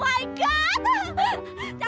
cang mastur dadah